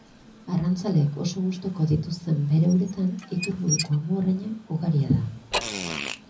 Arrantzaleek oso gogoko dituzten bere uretan iturburuko amuarraina ugaria da.